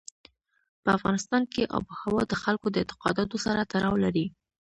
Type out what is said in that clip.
په افغانستان کې آب وهوا د خلکو د اعتقاداتو سره تړاو لري.